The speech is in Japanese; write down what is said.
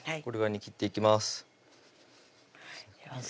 これぐらいに切っていきます